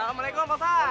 assalamualaikum pak san